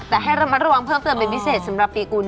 แต่ให้ระมัดระวังเพิ่มเติมเป็นพิเศษสำหรับปีกุล